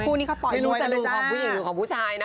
คู่นี้ก็ต่อยมวยกันเลยจ้ะไม่รู้ว่าจะดูของผู้หญิงหรือของผู้ชายนะ